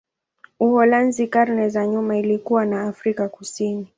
Uholanzi karne za nyuma ilikuwa na Afrika Kusini.